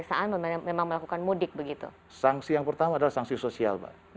ekonomi in ranksa ekonomi ekologi merupakan jawaban untuk bidang ekonomi yang dituduhan